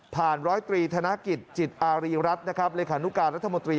ผ่าน๑๐๓ธนกิจจิตอะรีรัฐเลยคานุการรัฐมนตรี